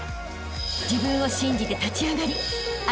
［自分を信じて立ち上がりあしたへ